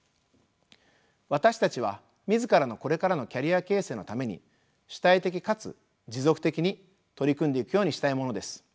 私たちは自らのこれからのキャリア形成のために主体的かつ持続的に取り組んでいくようにしたいものです。